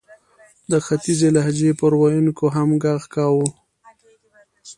د ختیځې لهجې پر ویونکو هم ږغ کاوه.